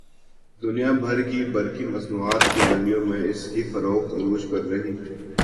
دنیا بھر کی برقی مصنوعات کی منڈیوں میں اس کی فروخت عروج پر رہی